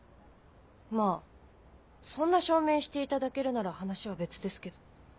まぁそんな証明していただけるなら話は別ですけど。